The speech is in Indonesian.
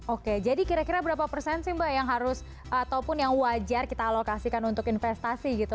oke jadi kira kira berapa persen sih mbak yang harus ataupun yang wajar kita alokasikan untuk investasi gitu